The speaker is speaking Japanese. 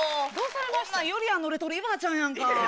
こんなんゆりやんのレトリィバァちゃんやんか。